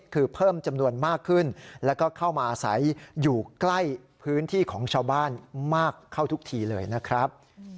คือเพิ่มจำนวนมากขึ้นแล้วก็เข้ามาอาศัยอยู่ใกล้พื้นที่ของชาวบ้านมากเข้าทุกทีเลยนะครับ